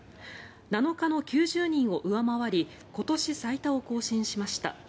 ７日の９０人を上回り今年最多を更新しました。